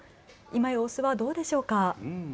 様子はどうでしょうか。